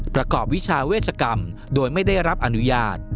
ประกอบวิชาเวชกรรมโดยไม่ได้รับอนุญาต